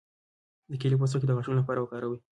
د کیلې پوستکی د غاښونو لپاره وکاروئ